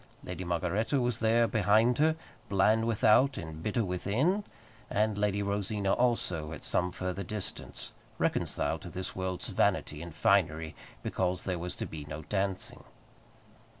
Lady Margaretta was there behind her, bland without and bitter within; and Lady Rosina also, at some further distance, reconciled to this world's vanity and finery because there was to be no dancing.